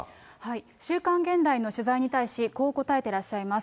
週刊現代の取材に対し、こう答えてらっしゃいます。